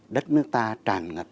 đất nước ta tràn ngập